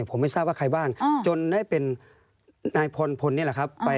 ผมไม่ทราบว่าใครบ้างจนได้เป็นนายพลพลนี่แหละครับ